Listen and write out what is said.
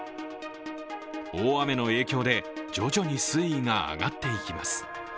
大雨の影響で徐々に水位が上がっていきます。